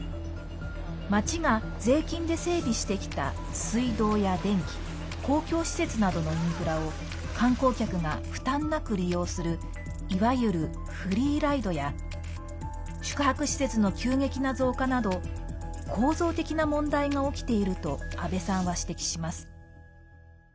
まちが税金で整備してきた水道や電気公共施設などのインフラを観光客が負担なく利用するいわゆるフリーライドや宿泊施設の急激な増加など構造的な問題が起きていると阿部さんは指摘します。